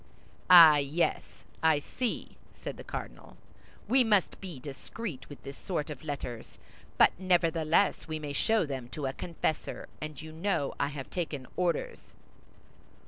"Ah, yes, I see," said the cardinal; "we must be discreet with this sort of letters; but nevertheless, we may show them to a confessor, and you know I have taken orders."